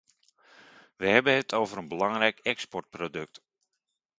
We hebben het over een belangrijk exportproduct.